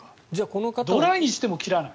ドライにしても切らない。